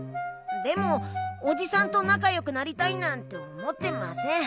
でもおじさんとなかよくなりたいなんて思ってません。